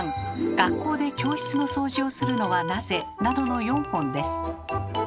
「学校で教室の掃除をするのはなぜ？」などの４本です。